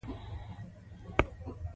چینایي ګرځندویانو هم د دې ژبې یادونه کړې.